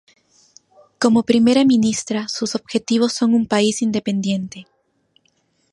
Como primera ministra sus objetivos son un país independiente.